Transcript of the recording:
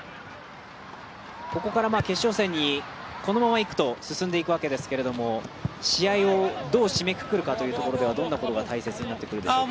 ここから決勝戦にこのままいくと進んでいきますが試合を、どう締めくくるかというところでは、どんなところが大切になってくるでしょうか。